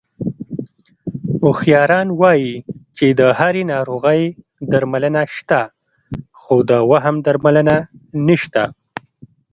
هوښیاران وایي چې د هرې ناروغۍ درملنه شته، خو د وهم درملنه نشته...